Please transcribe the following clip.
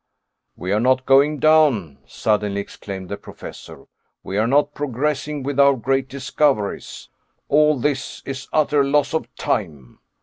"We are not going down," suddenly exclaimed the Professor. "We are not progressing with our great discoveries. All this is utter loss of time.